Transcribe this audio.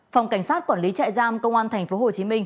phòng cảnh sát quản lý trại giam công an tp hcm